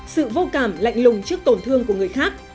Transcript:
sự vô cảm lạnh lùng trước tổn thương của người khác